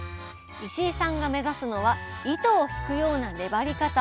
石井さんが目指すのは糸を引くような粘り方。